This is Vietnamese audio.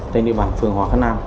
trên địa bàn phường hòa khánh nam